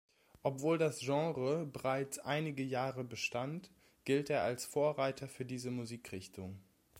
Obwohl das Genre bereits einige Jahre bestand, gilt er als Vorreiter für diese Musikrichtung.